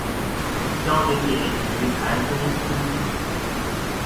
標準檢驗局臺中分局